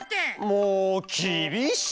もうきびしい！